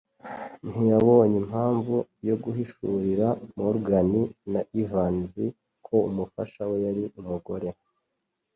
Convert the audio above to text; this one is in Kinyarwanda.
Ntiyabonye impamvu yo guhishurira Morgan na Evans ko umufasha we yari umugore